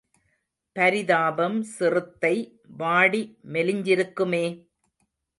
பரிதாபம் சிறுத்தை வாடி மெலிஞ்சிருக்குமே..?